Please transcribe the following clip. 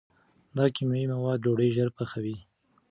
دا کیمیاوي مواد ډوډۍ ژر پخوي.